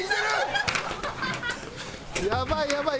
やばいやばい！